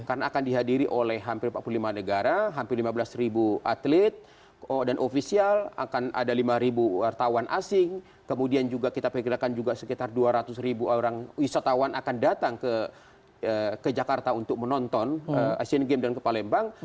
karena akan dihadiri oleh hampir empat puluh lima negara hampir lima belas ribu atlet dan ofisial akan ada lima wartawan asing kemudian juga kita perkirakan juga sekitar dua ratus ribu orang wisatawan akan datang ke jakarta untuk menonton asian games dan ke palembang